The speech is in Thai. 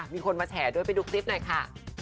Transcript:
มีคนมาแฉด้วยไปดูคลิปหน่อยค่ะ